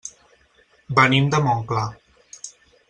Venim de Montclar.